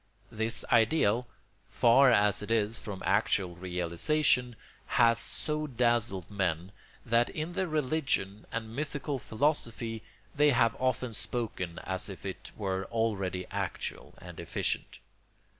This ideal, far as it is from actual realisation, has so dazzled men, that in their religion and mythical philosophy they have often spoken as if it were already actual and efficient.